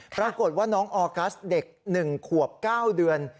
ปรากฏว่าน้องออกัสเด็ก๑ขวบ๙เดือน